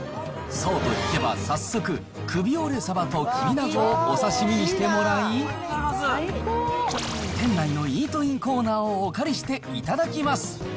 そうと聞けば、早速、首折れサバときびなごをお刺身にしてもらい、店内のイートインコーナーをお借りして頂きます。